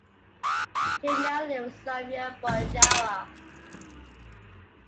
She now lives in Sofia, Bulgaria.